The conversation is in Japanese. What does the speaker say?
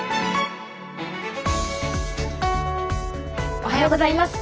おはようございます。